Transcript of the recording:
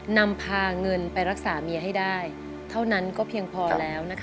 นำพาเงินไปรักษาเมียให้ได้เท่านั้นก็เพียงพอแล้วนะคะ